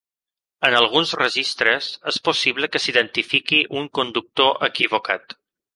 En alguns registres, és possible que s'identifiqui un conductor equivocat.